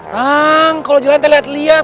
tang kalau jalan saya lihat lihat